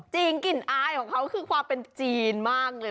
กลิ่นอายของเขาคือความเป็นจีนมากเลย